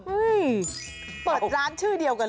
อืมเปิดร้านชื่อเดียวกันเลย